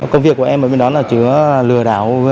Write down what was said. công việc của em ở bên đó là chữa lừa đảo